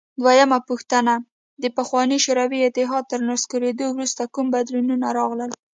دویمه پوښتنه: د پخواني شوروي اتحاد تر نسکورېدو وروسته کوم بدلونونه راغلل؟